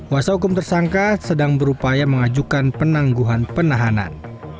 kuasa hukum tersangka sedang berupaya mengajukan penangguhan penahanan